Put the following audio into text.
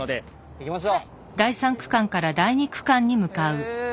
行きましょう！へえ。